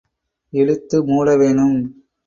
இழுத்து மூட வேணும்.